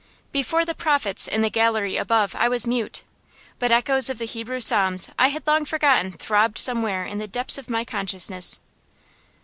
Before the "Prophets" in the gallery above I was mute, but echoes of the Hebrew Psalms I had long forgotten throbbed somewhere in the depths of my consciousness.